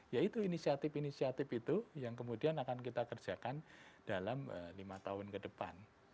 yaitu inisiatif inisiatif itu yang kemudian akan kita kerjakan dalam lima tahun ke depan